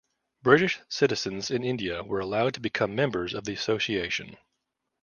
British citizens in India were allowed to become members of the association.